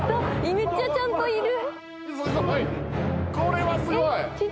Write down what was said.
めっちゃちゃんといる。